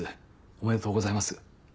おめでとうございます。